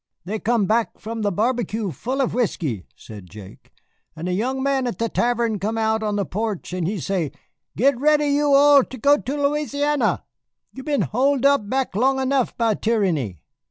"They come back from the barbecue full of whiskey," said Jake, "and a young man at the tavern come out on the porch and he say, 'Get ready you all to go to Louisiana! You been hole back long enough by tyranny.